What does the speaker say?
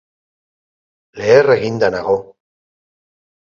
Leher eginda nago.